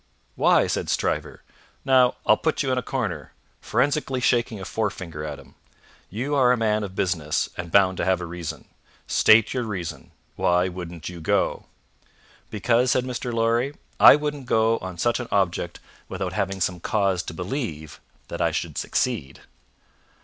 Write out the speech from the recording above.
"Why?" said Stryver. "Now, I'll put you in a corner," forensically shaking a forefinger at him. "You are a man of business and bound to have a reason. State your reason. Why wouldn't you go?" "Because," said Mr. Lorry, "I wouldn't go on such an object without having some cause to believe that I should succeed."